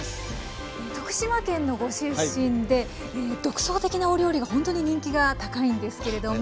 徳島県のご出身で独創的なお料理がほんとに人気が高いんですけれども。